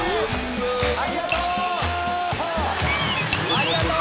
ありがとう。